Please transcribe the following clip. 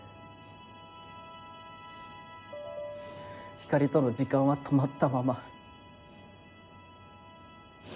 ひかりとの時間は止まったまま。